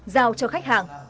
giao cho khách hàng